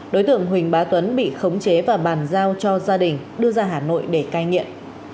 đối tượng huỳnh bá tuấn bị khống chế và bàn giao cho gia đình đưa ra hà nội để cai nghiện